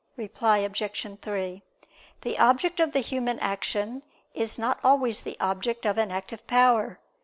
Reply Obj. 3: The object of the human action is not always the object of an active power.